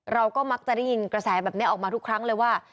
เราก็มักจะได้ยินกระแสแบบนี้ออกมาทุกครั้งเลยว่า